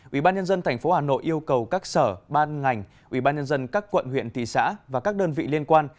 ubnd tp hà nội yêu cầu các sở ban ngành ubnd các quận huyện thị xã và các đơn vị liên quan